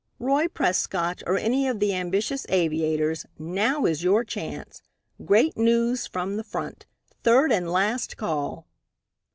Roy Prescott or any of the ambitious aviators now is your chance! Great news from the front! Third and last call!"